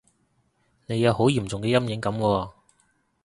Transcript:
你有好嚴重嘅陰影噉喎